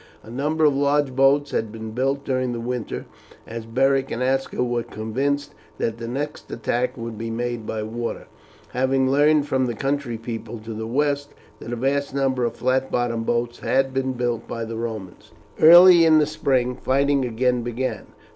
A number of large boats had been built during the winter, as Beric and Aska were convinced that the next attack would be made by water, having learned from the country people to the west that a vast number of flat bottomed boats had been built by the Romans. Early in the spring fighting again began.